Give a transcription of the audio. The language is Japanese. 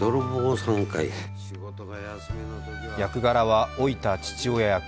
役柄は老いた父親役。